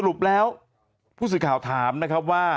ปแล้วผู้สื่อข่าวถามนะครับว่า